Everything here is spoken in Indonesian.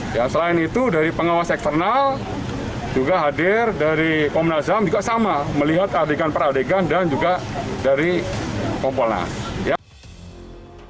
selain itu dari pengawas eksternal juga hadir dari komunal zam juga sama melihat adegan per adegan dan juga dari kompulnya